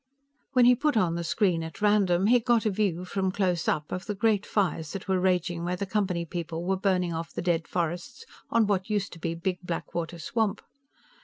When he put on the screen, at random, he got a view, from close up, of the great fires that were raging where the Company people were burning off the dead forests on what used to be Big Blackwater Swamp.